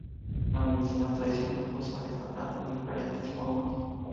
La medicina tradicional usa esta planta en diferentes formas.